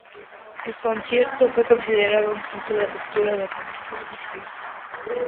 El concierto fue considerado un punto de ruptura del rock progresivo.